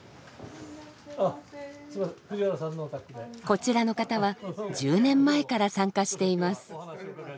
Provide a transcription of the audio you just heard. こちらの方は１０年前から参加しています。